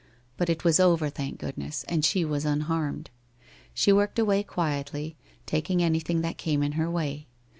But it was over, thank goodness, and she was unharmed. She worked away quietly, taking anything that came in her way.